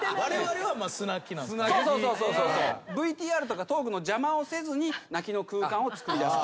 ＶＴＲとかトークの邪魔をせずに泣きの空間をつくりだす。